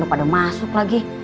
udah pada masuk lagi